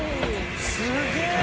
すげえ！